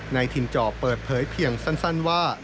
นายทินจอบเปิดเผยเพียงสั้นว่า